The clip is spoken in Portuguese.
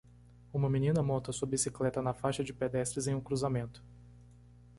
Uma menina monta sua bicicleta na faixa de pedestres em um cruzamento.